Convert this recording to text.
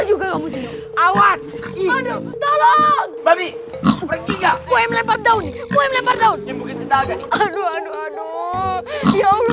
udah pergi pergi